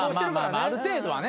ある程度はね。